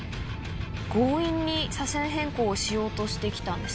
強引に車線変更しようとしてきたんです